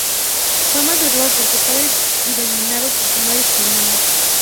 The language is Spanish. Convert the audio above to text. Fue maltratado por su padre, y dominado por su madre y sus hermanas.